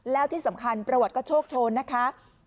แล้วที่สำคัญประวัติก็โชคโชนนะคะ